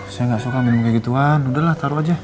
saya gak suka minum kayak gituan udah lah taruh aja